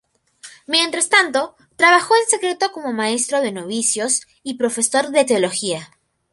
Mientras tanto, trabajó en secreto como maestro de novicios y profesor de teología.